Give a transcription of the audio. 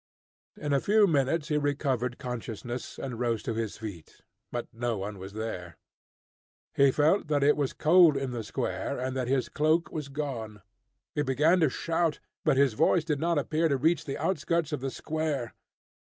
In a few minutes he recovered consciousness, and rose to his feet, but no one was there. He felt that it was cold in the square, and that his cloak was gone. He began to shout, but his voice did not appear to reach the outskirts of the square.